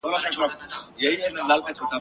ډک له اوره مي لړمون دی نازوه مي !.